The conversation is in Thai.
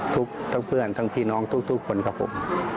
ทั้งเพื่อนทั้งพี่น้องทุกคนครับผม